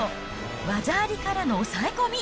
技ありからの抑え込み。